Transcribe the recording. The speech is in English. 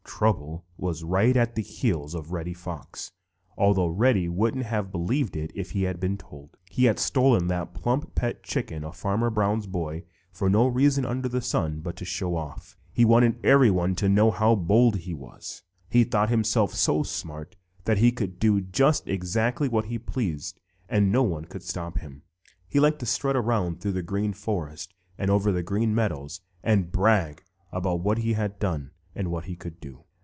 Trouble was right at the heels of Reddy Fox, although Reddy wouldn't have believed it if he had been told. He had stolen that plump pet chicken of Farmer Brown's boy for no reason under the sun but to show off. He wanted everyone to know how bold he was. He thought himself so smart that he could do just exactly what he pleased and no one could stop him. He liked to strut around through the Green Forest and over the Green Meadows and brag about what he had done and what he could do.